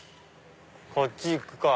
こっち行くか。